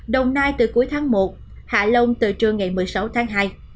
đồng nai từ cuối tháng một hạ long từ trưa ngày một mươi sáu tháng hai